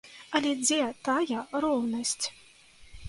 Але дзе тая роўнасць?